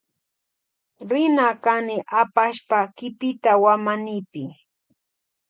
Rina kani apashpa kipita wamanipi.